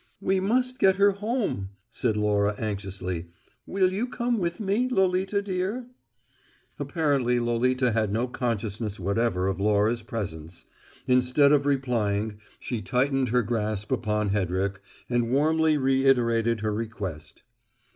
"We must get her home," said Laura anxiously. "Will you come with me, Lolita, dear?" Apparently Lolita had no consciousness whatever of Laura's presence. Instead of replying, she tightened her grasp upon Hedrick and warmly reiterated her request.